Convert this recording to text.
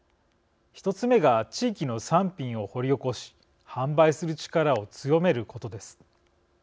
１つ目が地域の産品を掘り起こし販売する力を強めることです。